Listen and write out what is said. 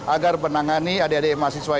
agar menangani adik adik mahasiswa